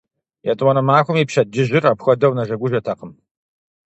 ЕтӀуанэ махуэм и пщэдджыжьыр апхуэдэу нэжэгужэтэкъым.